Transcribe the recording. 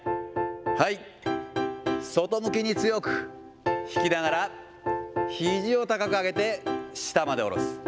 はい、外向きに強く、引きながら、ひじを高く上げて下まで下ろす。